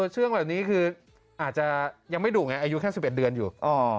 เชื่องแบบนี้คืออาจจะยังไม่ดุไงอายุแค่๑๑เดือนอยู่